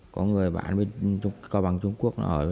có người bán cao bằng trung quốc nó ở